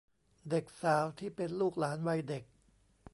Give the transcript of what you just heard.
เด็กสาวที่เป็นลูกหลานวัยเด็ก